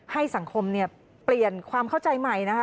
ให้สังคมเนี่ยเปลี่ยนความเข้าใจใหม่นะคะ